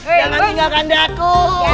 aneh jangan ingat kandaku